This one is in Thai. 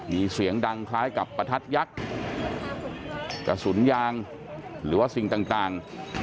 มีเสียงดังคล้ายกับประทัดยักษ์กระสุนยางหรือว่าสิ่งต่าง